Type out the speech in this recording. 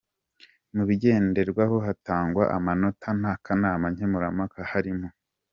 Mu bigenderwaho hatangwa amanota n’akanama nkemurampaka harimo:.